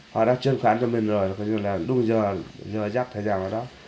họ đã chuyên khoản cho mình rồi đúng giờ giờ dắt thời gian vào đó